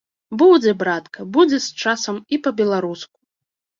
Будзе, братка, будзе з часам і па-беларуску!